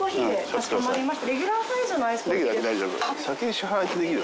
かしこまりました。